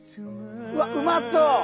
うわっうまそう！